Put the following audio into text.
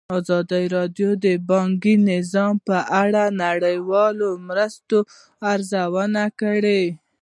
ازادي راډیو د بانکي نظام په اړه د نړیوالو مرستو ارزونه کړې.